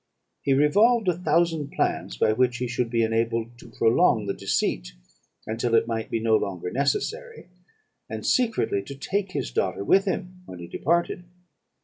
He revolved a thousand plans by which he should be enabled to prolong the deceit until it might be no longer necessary, and secretly to take his daughter with him when he departed.